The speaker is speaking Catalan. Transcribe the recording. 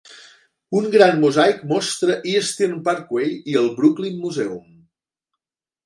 Un gran mosaic mostra Eastern Parkway i el "Brooklyn Museum".